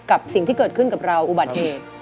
กับสิ่งที่เกิดขึ้นกับเราอุบัติเหตุ